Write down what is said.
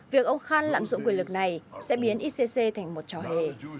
việc ông khan lạm dụng quyền lực này sẽ biến icc thành một trò hề